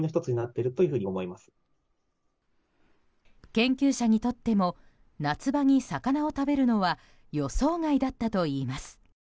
研究者にとっても夏場に魚を食べるのは予想外だったといいます。